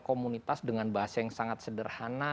komunitas dengan bahasa yang sangat sederhana